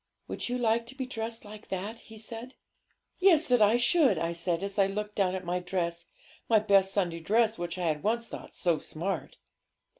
'"Would you like to be dressed like that?" he said. '"Yes, that I should," I said, as I looked down at my dress my best Sunday dress, which I had once thought so smart.